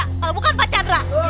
kalau bukan pak chandra